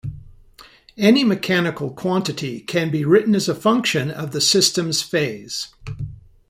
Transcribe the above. Any mechanical quantity can be written as a function of the system's phase.